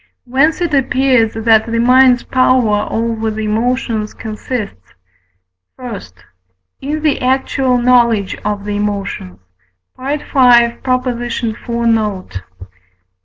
Whence it appears that the mind's power over the emotions consists: I. In the actual knowledge of the emotions (V. iv. note).